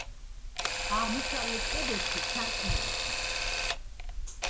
აღმოსავლეთ კედელში სარკმელია.